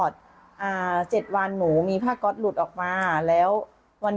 ตอนนี้รับประกันได้มั้ยว่า